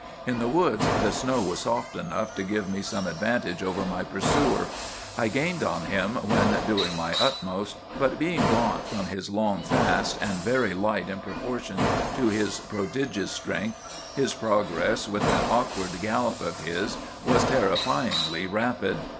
"In the woods the snow was soft enough to give me some advantage over my pursuer. I gained on him when doing my utmost. But being gaunt from his long fast, and very light in proportion to his prodigious strength, his progress, with that awkward gallop of his, was terrifyingly rapid.